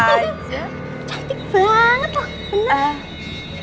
cantik banget loh